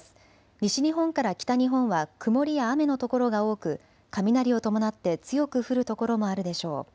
西日本から北日本は曇りや雨の所が多く雷を伴って強く降る所もあるでしょう。